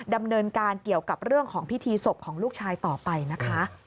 ดำเนินการเกี่ยวกับเรื่องของพิธีศพของลูกชายต่อไปนะคะ